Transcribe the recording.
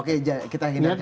oke kita hindarkan dulu